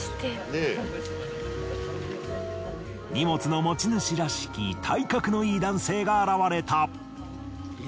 荷物の持ち主らしき体格のいい男性が現れた。